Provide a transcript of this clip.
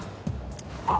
あっ！